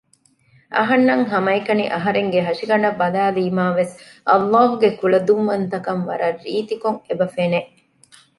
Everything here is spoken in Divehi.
އަހަންނަށް ހަމައެކަނި އަހަރެންގެ ހަށިގަނޑަށް ބަލައިލީމާވެސް ﷲ ގެ ކުޅަދުންވަންތަކަން ވަރަށް ރީތިކޮށް އެބަ ފެނެ